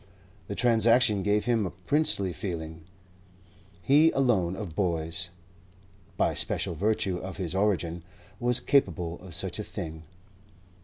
The transaction gave him a princely feeling. He alone of boys, by special virtue of his origin, was capable of such a thing.